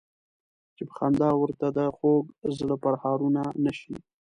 چې په خندا ورته د خوږ زړه پرهارونه نه شي.